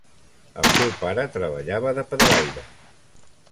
El seu pare treballava de pedraire.